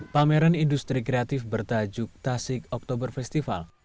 pameran industri kreatif bertajuk tasik oktober festival